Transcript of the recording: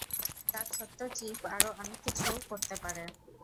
তার ছোট্ট চিপ আরও অনেক কিছু করতে পারে।